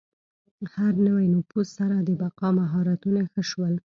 هر نوي نفوذ سره د بقا مهارتونه ښه شول.